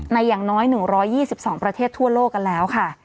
อย่างน้อย๑๒๒ประเทศทั่วโลกกันแล้วค่ะ